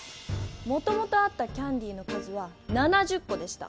もともとあったキャンディーの数は７０コでした！